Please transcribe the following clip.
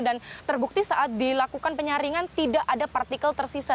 dan terbukti saat dilakukan penyaringan tidak ada partikel tersisa